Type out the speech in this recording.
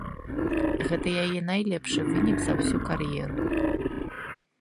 Гэта яе найлепшы вынік за ўсю кар'еру.